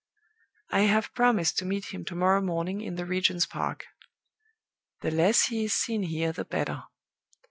"I have promised to meet him to morrow morning in the Regent's Park. The less he is seen here the better.